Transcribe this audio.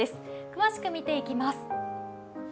詳しく見ていきます。